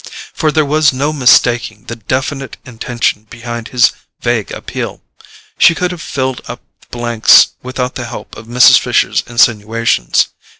For there was no mistaking the definite intention behind his vague appeal; she could have filled up the blanks without the help of Mrs. Fisher's insinuations.